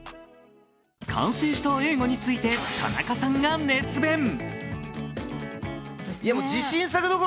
完成した映画について田中さんが熱弁。